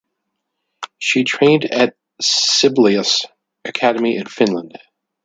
She trained at the Sibelius Academy in Finland.